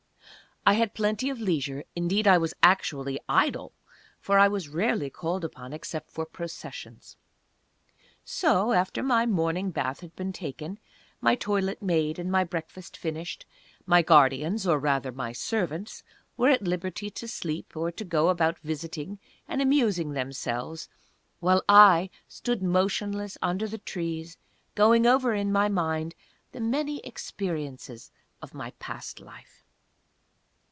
I had plenty of leisure, indeed, I was actually idle, for I was rarely called upon except for processions. So, after my morning bath had been taken, my toilet made, and my breakfast finished, my guardians, or rather my servants, were at liberty to sleep, or to go about visiting and amusing themselves while I stood motionless under the trees, going over in my mind the many experiences of my past life.